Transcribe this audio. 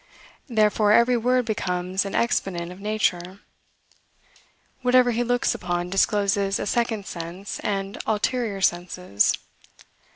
Therefore, every word becomes an exponent of nature. Whatever he looks upon discloses a second sense, and ulterior senses.